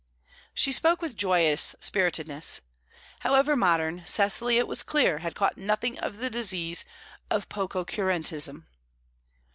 She spoke with joyous spiritedness. However modern, Cecily, it was clear, had caught nothing of the disease of pococurantism.